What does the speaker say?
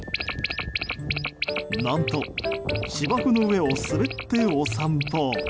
何と芝生の上を滑ってお散歩。